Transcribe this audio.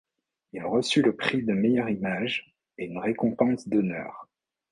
Il reçut le prix de meilleure image et une récompense d'honneur.